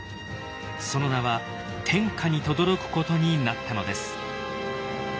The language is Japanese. その名は天下にとどろくことになったのです。